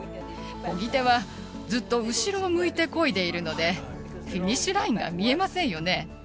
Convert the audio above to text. こぎ手はずっと後ろを向いてこいでいるので、フィニッシュラインが見えませんよね。